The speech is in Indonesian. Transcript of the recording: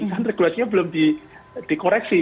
kan regulasinya belum dikoreksi